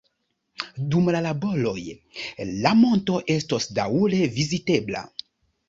Dum la laboroj la monto estos daŭre vizitebla.